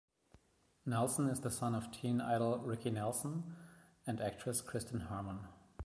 Nelson is the son of teen idol Ricky Nelson and actress Kristin Harmon.